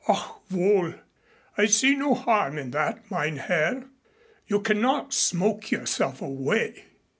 "Ach, wohl. I see no harm in that, mein Herr. You cannot smoke yourself away."